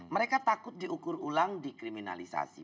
mereka takut diukur ulang dikriminalisasi